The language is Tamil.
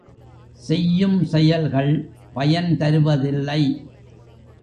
செய்யும் செயல்கள் பயன் தருவதில்லை.